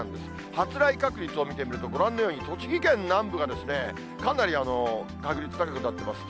発雷確率を見てみると、ご覧のように、栃木県南部がかなり確率高くなっています。